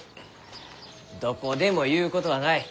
どこでもゆうことはない。